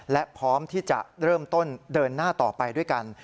และพร้อมที่จะเริ่มต้นเดินหน้าต่อไปด้วยกัน